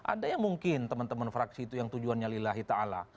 ada yang mungkin teman teman fraksi itu yang tujuannya lillahi ta'ala